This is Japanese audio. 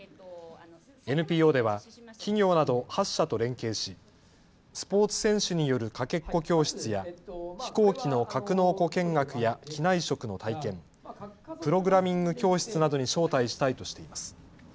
ＮＰＯでは企業など８社と連携しスポーツ選手によるかけっこ教室や飛行機の格納庫見学や機内食の体験、プログラミング教室などに招待したいとしています。